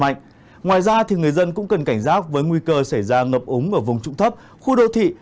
mạnh ngoài ra người dân cũng cần cảnh rác với nguy cơ xảy ra ngập úng ở vùng trũng thấp khu đô thị